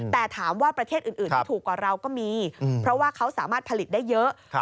แต่ถามว่าประเทศอื่นที่ถูกกว่าเราก็มีเพราะว่าเขาสามารถผลิตได้เยอะ